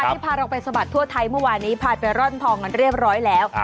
ที่พาเราไปสะบัดทั่วไทยเมื่อวานนี้พาไปร่อนทองกันเรียบร้อยแล้ว